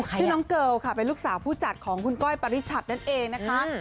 ชื่อน้องเกิลค่ะเป็นลูกสาวผู้จัดของคุณก้อยปริชัดนั่นเองนะคะ